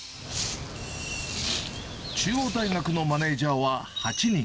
中央大学のマネージャーは８人。